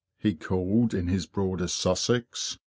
'' he called, in his broadest Sussex.